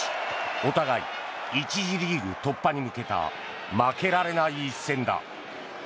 お互い１次リーグ突破に向けた負けられない一戦だ。